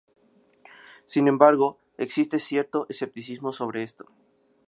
Sin embargo, existe cierto escepticismo sobre esto.